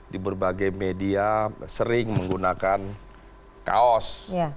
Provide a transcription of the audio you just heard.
di berbagai media sering menggunakan kaos